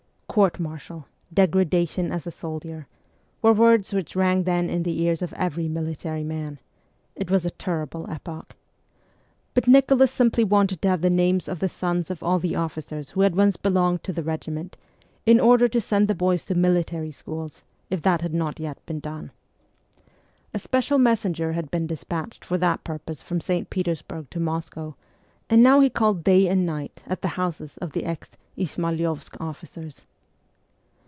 ' Court martial, degradation as a soldier,' were words which rang then in the ears of every military man ; it was a terrible epoch. But Nicholas simply wanted to have the names of the sons of all the officers who had once belonged to the regi ment, in order to send the boys to military schools, if that had not yet been done. A special messenger had been dispatched for that purpose from St. Petersburg CHILDHOOD 31 to Moscow, and now he called day and night at the houses of the ex Izmaylovsk officers.